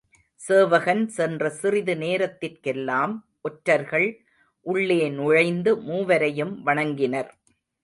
சேவகன் சென்ற சிறிது நேரத்திற்கெல்லாம் ஒற்றர்கள் உள்ளே நுழைந்து மூவரையும் வணங்கினர்.